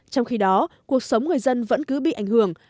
trong khi đó cuộc sống người dân vẫn cứ bị ảnh hưởng